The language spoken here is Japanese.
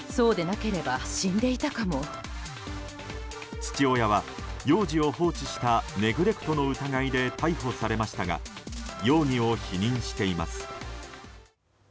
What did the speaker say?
父親は幼児を放置したネグレクトの疑いで逮捕されましたが容疑を否認しています。